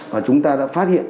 và chúng ta đã phát hiện